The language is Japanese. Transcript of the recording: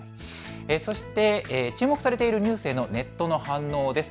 そして注目されているニュースへのネットの反応です。